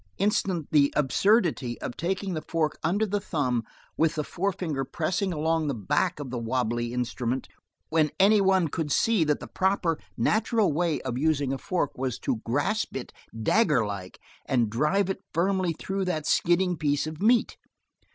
Instance the absurdity of taking the fork under the thumb with the forefinger pressing along the back of the wobbly instrument, when any one could see that the proper, natural way of using a fork was to grasp it daggerwise and drive it firmly through that skidding piece of meat.